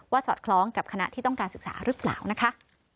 สอดคล้องกับคณะที่ต้องการศึกษาหรือเปล่านะคะ